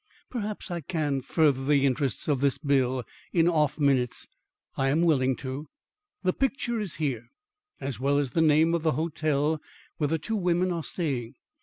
Perhaps I can further the interests of this bill in off minutes. I am willing to. The picture is here, as well as the name of the hotel where the two women are staying.